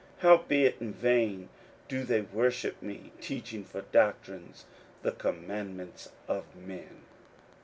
41:007:007 Howbeit in vain do they worship me, teaching for doctrines the commandments of men.